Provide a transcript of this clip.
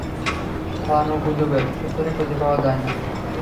ছড়ানো গুজবের সূত্র খুঁজে পাওয়া যায় না।